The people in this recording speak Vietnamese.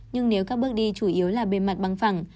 nhưng nếu các bước đi chủ yếu là bề mặt bằng phẳng